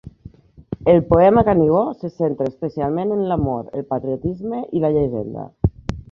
El poema Canigó se centra especialment en l'amor, el patriotisme i la llegenda.